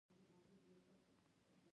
موسیقي او هنر مو سره نږدې دي.